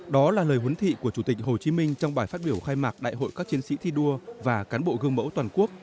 đó là lời huấn thị của chủ tịch hồ chí minh trong bài phát biểu khai mạc đại hội các chiến sĩ thi đua và cán bộ gương mẫu toàn quốc